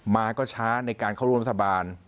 มาก็ช้าในการเข้าร่วมรัฐบาล